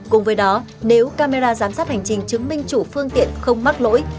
cùng với đó nếu camera giám sát hành trình chứng minh chủ phương tiện không mắc lỗi